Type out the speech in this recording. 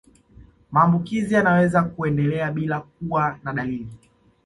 Maambukizi yanaweza kuendelea bila ya kuwa na dalili